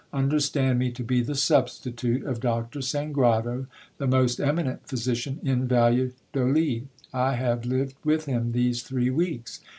Understand me to be the substitute of Doctor Sangrado, the most eminent phy sician in Valladolid. I have lived with him these three weeks.